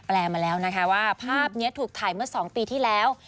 มาแล้วนะคะว่าภาพนี้ถูกถ่ายเมื่อ๒ปีที่แล้ว